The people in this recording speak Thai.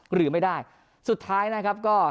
หรือไม่ได้สุดท้ายก็